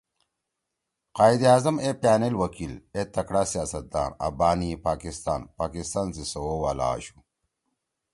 قائداعظم اے پأنیل وکیل، اے تکڑا سیاستدان آں بانی پاکستان )پاکستان سی سَوَؤ والا( آشُو